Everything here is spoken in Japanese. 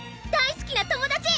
大すきな友達！